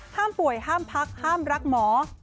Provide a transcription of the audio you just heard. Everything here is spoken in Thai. ป่วยห้ามพักห้ามรักหมอ